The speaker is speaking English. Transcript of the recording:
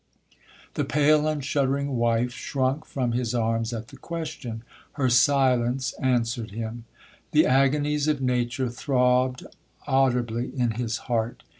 The pale and shuddering wife shrunk from his arms at the question—her silence answered him. The agonies of nature throbbed audibly in his heart.